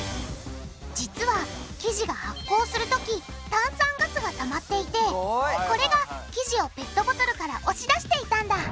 実は生地が発酵するとき炭酸ガスがたまっていてこれが生地をペットボトルから押し出していたんだ